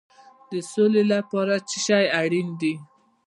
د سولې لپاره څه شی اړین دی؟